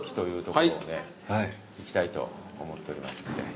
行きたいと思っておりますんで。